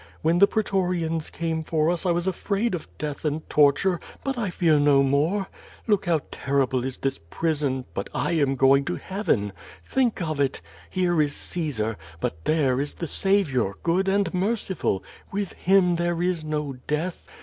Wl^n the pretorians came for us I was afraid of death and tortu but I fear no more. Look how terrible is this prison, but am going to heaven. Think of it. Here is Caesar, but there is the Saviour, good and merciful; with him there is no death.